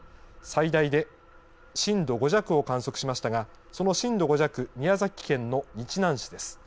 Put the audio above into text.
最大で震度５弱を観測しましたがその震度５弱、宮崎県の日南市です。